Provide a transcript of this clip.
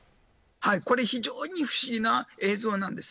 これ非常に不思議な映像です。